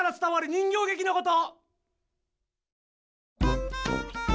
人形げきのこと。